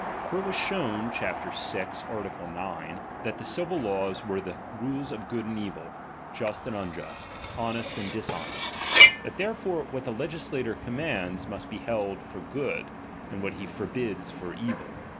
For it was shown (chap. vi. art. 9) that the civil laws were the rules of good and evil, just and unjust, honest and dishonest ; that therefore what the legislator commands, must be held for good, and what he forbids for evil.